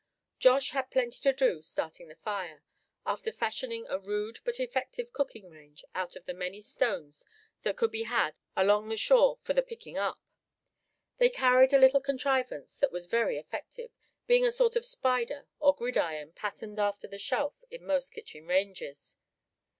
Josh had plenty to do starting the fire, after fashioning a rude but effective cooking range out of the many stones that could be had along the shore for the picking up. They carried a little contrivance that was very effective, being a sort of spider or gridiron patterned after the shelf in most kitchen ranges.